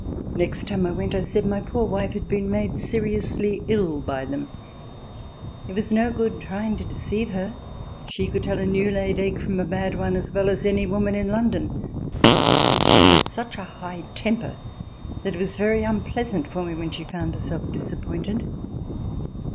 Next time I went I said my poor wife had been made seriously ill by them; it was no good trying to deceive her; she could tell a new laid egg from a bad one as well as any woman in London, and she had such a high temper that it was very unpleasant for me when she found herself disappointed.